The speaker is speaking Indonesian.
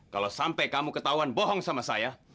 kalau sampai kamu ketahuan bohong sama saya